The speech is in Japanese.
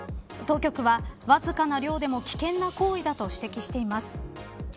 当局は、わずかな量でも危険な行為だと指摘しています。